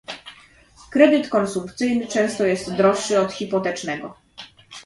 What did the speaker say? Kredyt konsumpcyjny często jest droższy od hipotecznego.